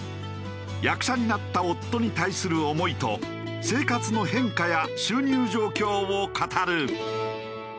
役者になった夫に対する思いと生活の変化や収入状況を語る。